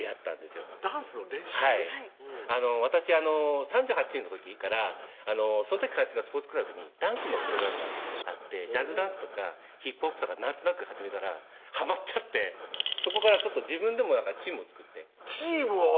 はい私３８の時からその時通ってたスポーツクラブにダンスのプログラムがあってジャズダンスとかヒップホップとかなんとなく始めたらはまっちゃってそこから自分でもチームを作ってチームを？